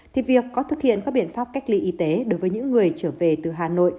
thì việc có thực hiện các biện pháp cách ly y tế đối với những người trở về từ hà nội